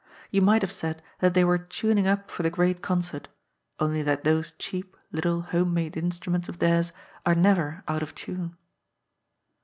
You might have said that they were tuning up for the great concert, only that those cheap, little home made instruments of theirs are never out of tune.